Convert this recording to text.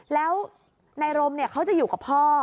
แล้วนายรมเขาจะอยู่กับพ่อ